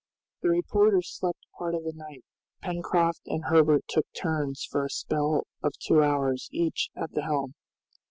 The reporter slept part of the night. Pencroft and Herbert took turns for a spell of two hours each at the helm.